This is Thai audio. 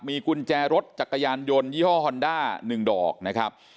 มีกุญแจรถจักรยานยนต์ยี่ห้อฮอนด้า๑ดอกนะครับ